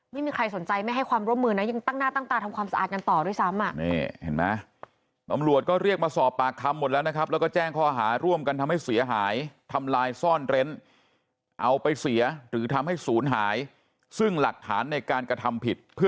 ไม่มีใครสนใจไม่ให้ความร่วมมือนะยังตั้งหน้าตั้งตาทำ